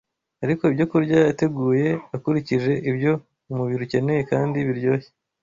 Ariko ibyokurya yateguye akurikije ibyo umubiri ukeneye kandi biryoshye